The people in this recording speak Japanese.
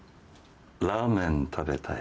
ラーメン食べたい。